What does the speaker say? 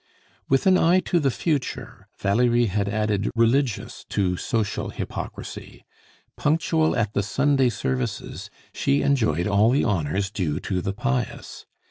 With an eye to the future, Valerie had added religious to social hypocrisy. Punctual at the Sunday services, she enjoyed all the honors due to the pious.